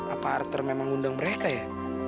apa arthur memang undang mereka ya